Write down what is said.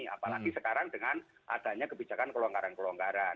apalagi sekarang dengan adanya kebijakan kelonggaran kelonggaran